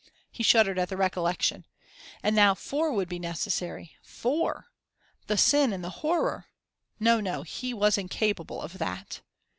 He shuddered at the recollection. And now four would be necessary! four! The sin and the horror! No, no, he was incapable of that.